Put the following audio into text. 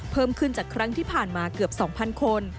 เพิ่มขึ้นจากครั้งที่ผ่านมาเกือบ๒๐๐คน